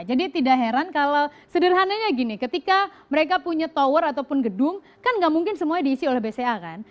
jadi tidak heran kalau sederhananya gini ketika mereka punya tower ataupun gedung kan gak mungkin semuanya diisi oleh bca kan